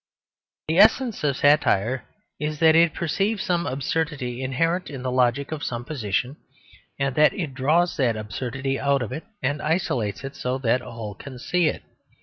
The essence of satire is that it perceives some absurdity inherent in the logic of some position, and that it draws that absurdity out and isolates it, so that all can see it.